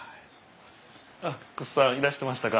あっ楠さんいらしてましたか。